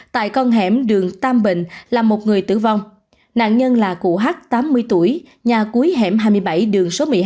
tại con hẻm đường tam bệnh là một người tử vong nạn nhân là cụ h tám mươi tuổi nhà cuối hẻm hai mươi bảy đường số một mươi hai